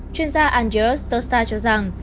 chuyên gia andriy stolzha cho rằng